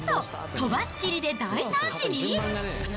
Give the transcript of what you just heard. とばっちりで大惨事に。